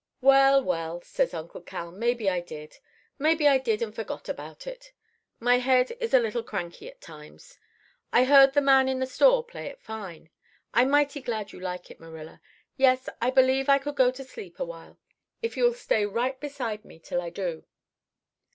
"'Well, well,' says Uncle Cal, 'maybe I did. Maybe I did and forgot about it. My head is a little cranky at times. I heard the man in the store play it fine. I'm mighty glad you like it, Marilla. Yes, I believe I could go to sleep a while if you'll stay right beside me till I do.